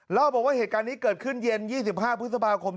เล่าบอกว่าเหตุการณ์นี้เกิดขึ้นเย็น๒๕พฤษภาคม